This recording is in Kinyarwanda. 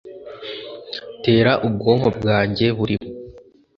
'tera ubwonko bwanjye burimo.